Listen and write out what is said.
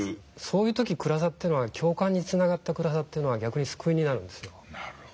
そういう時暗さというのは共感につながった暗さというのは逆に救いになるんですよ。